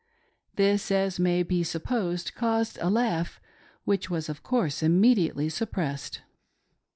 '" This, as may be supposed, caused a laugh which was, of course, immediately suppressed.